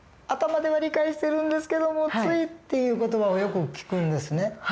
頭では理解してるんですけどもついっていう言葉をよく聞くんですね。